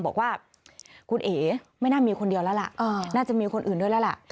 บอกว่าคุณเอ๋ไม่น่ามีคนเดียวแล้วล่ะน่าจะมีคนอื่นด้วยแล้วล่ะ